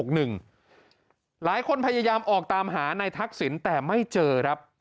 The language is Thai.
หลายคนพยายามออกตามหานายทักษิณแต่ไม่เจอครับ